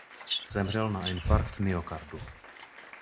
Zemřel na infarkt myokardu.